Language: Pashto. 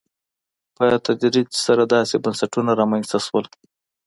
په تدریج سره داسې بنسټونه رامنځته شول.